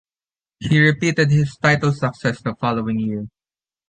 He repeated his title success the following year.